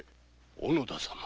小野田様！